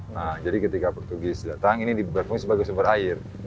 nah jadi ketika portugis datang ini berfungsi sebagai sumber air